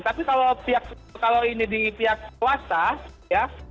tapi kalau ini di pihak swasta ya